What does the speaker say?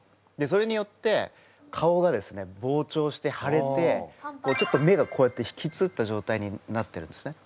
それによって顔がですねぼうちょうしてはれてちょっと目がこうやってひきつった状態になってるんですね。